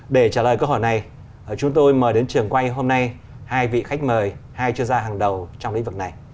để trả lời câu hỏi này chúng tôi mời đến trường quay hôm nay hai vị khách mời hai chuyên gia hàng đầu trong lĩnh vực này